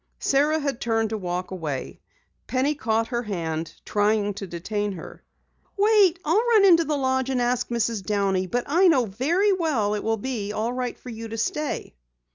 Sara had turned to walk away. Penny caught her hand, trying to detain her. "Wait, I'll run into the lodge and ask Mrs. Downey. But I know very well it will be all right for you to stay."